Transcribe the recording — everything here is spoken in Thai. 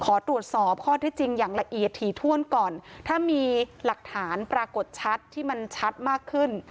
ขอตรวจสอบข้อที่จริงอย่างละเอียดถี่ถ้วนก่อนถ้ามีหลักฐานปรากฏชัดที่มันชัดมากขึ้น